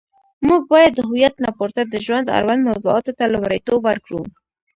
موږ باید د هویت نه پورته د ژوند اړوند موضوعاتو ته لومړیتوب ورکړو.